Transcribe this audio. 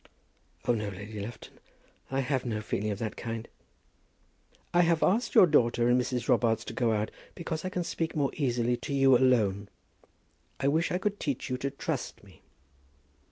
"Oh, no, Lady Lufton; I have no feeling of that kind." "I have asked your daughter and Mrs. Robarts to go out because I can speak more easily to you alone. I wish I could teach you to trust me."